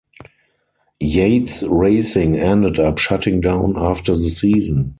Yates Racing ended up shutting down after the season.